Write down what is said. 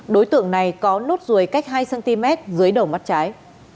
đối tượng này có nốt ruồi cách hai cm dưới đầu mắt trái